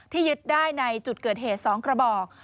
ยึดได้ในจุดเกิดเหตุ๒กระบอก